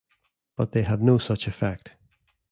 But they have no such effect.